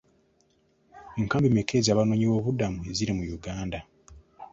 Nkambi mmeka ez'abanoonyiboobubudamu eziri mu Uganda?